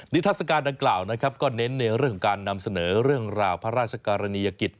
ทัศกาลดังกล่าวนะครับก็เน้นในเรื่องของการนำเสนอเรื่องราวพระราชกรณียกิจ